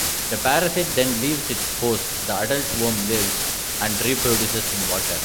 The parasite then leaves its host; the adult worm lives and reproduces in water.